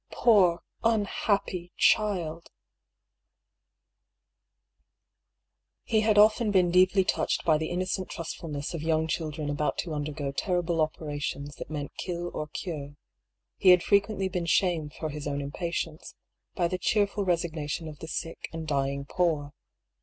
" Poor — ^unhappy — child !" He had often been deeply touched by the innocent trustfulness of young children about to undergo terrible operations that meant kill or cure ; he had frequently been shamed for his own impatience by the cheerful resignation of the sick and dying poor.